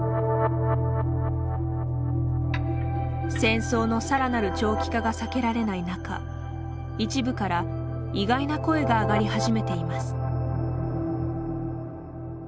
戦争のさらなる長期化が避けられない中一部から意外な声が上がり始めています。